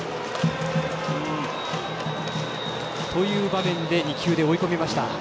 という場面で２球で追いつきました。